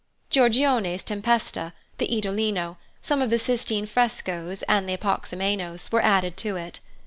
Giorgione's "Tempesta," the "Idolino," some of the Sistine frescoes and the Apoxyomenos, were added to it.